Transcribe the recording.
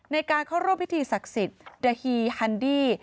ในการเข้าร่วมพิธีศักดิ์สิทธิ์ดาฮีฮันดี้